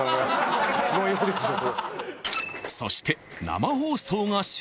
［そして］